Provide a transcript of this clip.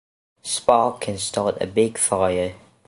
Spark can start a big fire.